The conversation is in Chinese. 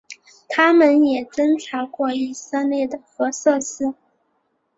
它们也侦察过以色列的核设施。